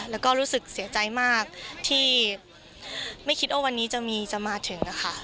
แล้วก็รู้สึกเสียใจมากที่ไม่คิดว่าวันนี้จะมีจะมาถึงค่ะ